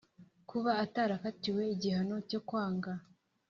kuba atarakatiwe igihano cyo kwangwa